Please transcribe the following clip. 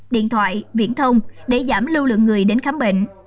điện thoại viễn thông để giảm lưu lượng người đến khám bệnh